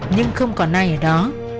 nhưng không còn ai ở đó